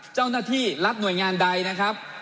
เจ้าหน้าที่รัฐหน่วยงานใดนะครับ